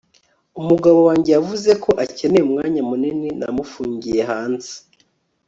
umugabo wanjye yavuze ko akeneye umwanya munini. namufungiye hanze